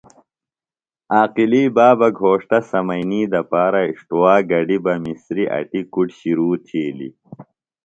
عاقلی بابہ گھوݜٹہ سمنئینی دپارہ اِݜٹوا گڈِیۡ بہ مسریۡ اٹیۡ کُڈ شرو تِھیلیۡ۔